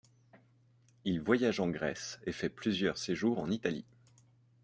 Il voyage en Grèce et fait plusieurs séjours en Italie.